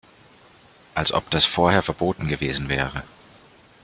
Als ob das vorher verboten gewesen wäre!